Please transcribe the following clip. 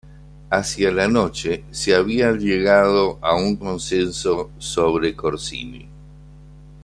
Hacia la noche, se había llegado a un consenso sobre Corsini.